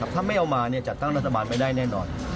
ถ้าไม่เอามาจัดตั้งรัฐบาลไม่ได้แน่นอน